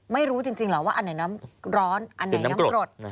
ไม่รู้จริงเหรอว่าอันไหนน้ำร้อนอันไหนน้ำกรด